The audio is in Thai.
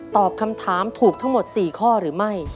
ตอบคำถามถูกทั้งหมด๔ข้อหรือไม่